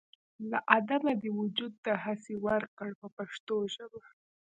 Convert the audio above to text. له عدمه دې وجود دهسې ورکړ په پښتو ژبه.